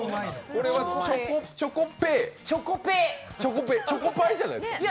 これはチョコパイじゃないですか。